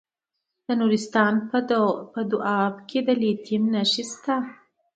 د نورستان په دو اب کې د لیتیم نښې شته.